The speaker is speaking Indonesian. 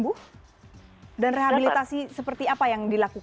dan di amerika liban juga terwiasi mengalami balances